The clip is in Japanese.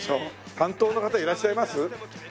担当の方いらっしゃいます？ねえ。